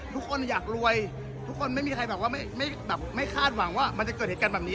ทุกคนอยากรวยทุกคนไม่มีใครแบบว่าไม่คาดหวังว่ามันจะเกิดเหตุการณ์แบบนี้